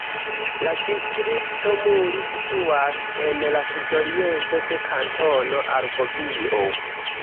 La distrikto Muri situas en la sudoriento de Kantono Argovio.